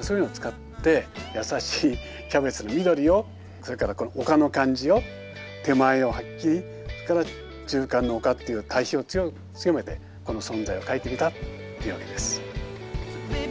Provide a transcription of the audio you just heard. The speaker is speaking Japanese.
そういうのを使って優しいキャベツの緑をそれからこの丘の感じを手前をはっきりそれから中間の丘っていう対比を強めてこの存在を描いてみたっていうわけです。